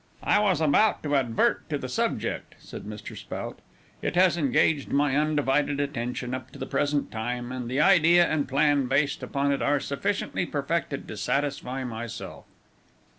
"I was about to advert to the subject," said Mr. Spout. "It has engaged my undivided attention up to the present time, and the idea and plan based upon it are sufficiently perfected to satisfy myself."